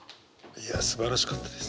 いやすばらしかったです。